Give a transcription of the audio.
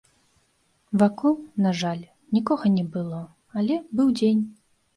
Вакол, на жаль, нікога не было, але быў дзень.